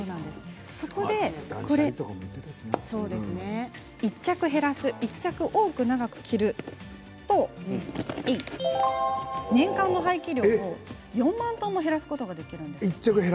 そこで１着、多く長く着ると年間の廃棄量を４万トン減らすことができるんです。